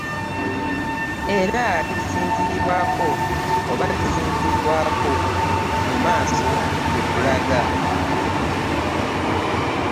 Era gisinziirwako oba girisinziirwako mu maaso gye tulaga